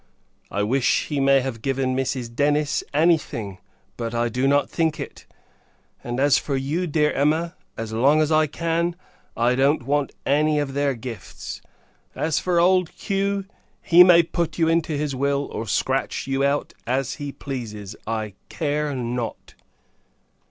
I wish he may have given Mrs. Denis any thing; but, I do not think it: and, as for you, my dear Emma, as long as I can, I don't want any of their gifts. As for old Q. he may put you into his will, or scratch you out, as he pleases, I care not.